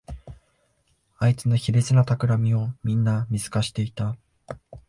あいつの卑劣なたくらみをみんな見透かしていた